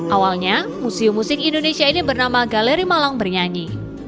awalnya museum musik indonesia ini bernama galeri malang bernyanyi